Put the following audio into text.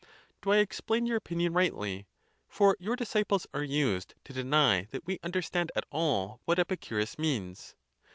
Do I explain your opinion rightly? for your disciples are used to deny that we understand at all what Epicurus means.